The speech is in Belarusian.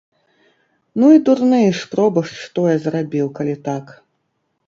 Ну і дурны ж пробашч тое зрабіў, калі так.